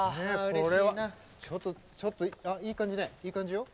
これはあっいい感じねいい感じよ。